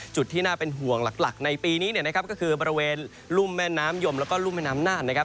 จุดที่น่าเป็นห่วงหลักในปีนี้เนี่ยนะครับก็คือบริเวณรุ่มแม่น้ำยมแล้วก็รุ่มแม่น้ำน่านนะครับ